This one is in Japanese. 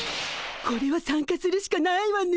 これは参加するしかないわね。